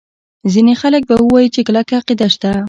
ځیني خلک به ووایي چې کلکه عقیده شته.